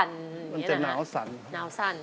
มันจะหนาวสั่น